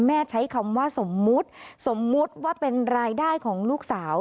ใช้คำว่าสมมุติสมมุติว่าเป็นรายได้ของลูกสาว